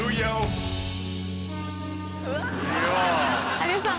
有吉さん